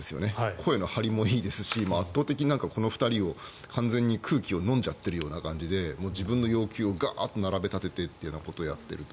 声の張りもいいですし圧倒的にこの２人完全に空気をのんじゃってるような感じで自分の要求をガーッと並べ立てるということをやっていると。